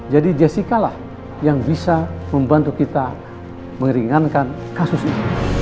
jadi jessica lah yang bisa membantu kita meringankan kasus ini